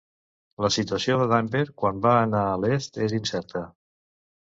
La situació de Daimbert quan va anar a l'est és incerta.